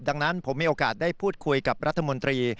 ดังนั้นผมมีโอกาสได้พูดคุยกับรัฐมนตรี